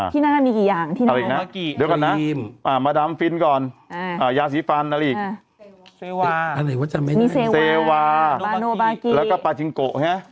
ที่นั่นน่ะมีกี่อย่างหยาสีฟันอะไรอีกเซวาแล้วก็ปาจิงโก้